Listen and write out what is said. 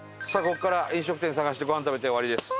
ここから飲食店探してごはん食べて終わりです。